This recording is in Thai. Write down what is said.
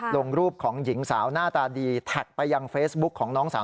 ลงรูปของหญิงสาวหน้าตาดีแท็กไปยังเฟซบุ๊คของน้องสาว